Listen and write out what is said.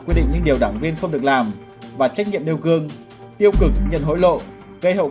quy định những điều đảng viên không được làm và trách nhiệm nêu gương tiêu cực nhận hối lộ gây hậu